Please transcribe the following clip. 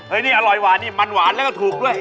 อันนี้อร่อยหวานนี่มันหวานแล้วก็ถูกด้วย